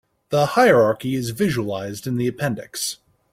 The hierarchy is visualized in the appendix.